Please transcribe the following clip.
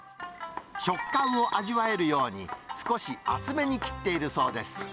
食感を味わえるように、少し厚めに切っているそうです。